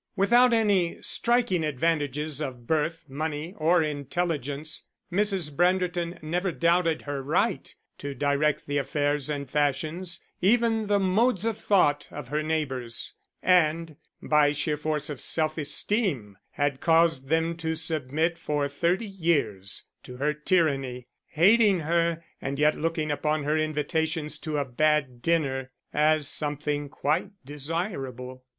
Without any striking advantages of birth, money, or intelligence, Mrs. Branderton never doubted her right to direct the affairs and fashions, even the modes of thought of her neighbours; and by sheer force of self esteem had caused them to submit for thirty years to her tyranny, hating her and yet looking upon her invitations to a bad dinner, as something quite desirable.